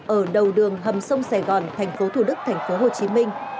ở đầu đường hầm sông sài gòn thành phố thủ đức thành phố hồ chí minh